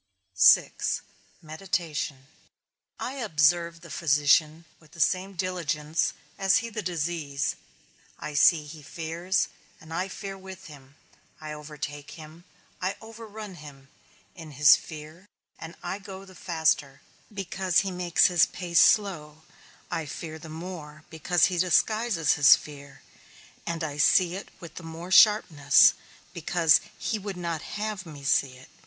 _ VI. MEDITATION. I observe the physician with the same diligence as he the disease; I see he fears, and I fear with him; I overtake him, I overrun him, in his fear, and I go the faster, because he makes his pace slow; I fear the more, because he disguises his fear, and I see it with the more sharpness, because he would not have me see it.